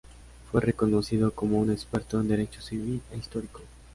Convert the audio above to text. Fue reconocido como un experto en Derecho civil e histórico.